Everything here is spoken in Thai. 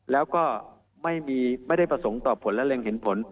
แล้วก็ไม่ได้ประสงค์ต่อผลและเร็งเห็นผล